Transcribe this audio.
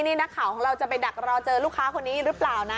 นี่นักข่าวของเราจะไปดักรอเจอลูกค้าคนนี้หรือเปล่านะ